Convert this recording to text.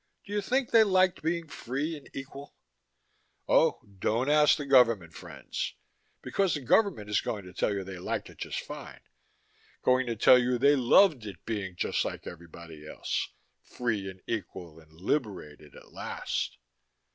Do you think they liked being free and equal? Oh, don't ask the government, friends, because the government is going to tell you they liked it just fine, going to tell you they loved it being just like everybody else, free and equal and liberated at last.